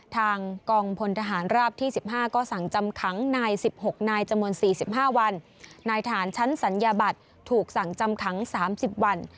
ทางกองพลทหารราบที่สิบห้าก็สั่งจำขังนายสิบหกนายจำวนสี่สิบห้าวันนายฐานชั้นสัญญาบัตรถูกสั่งจำขังสามสิบวัน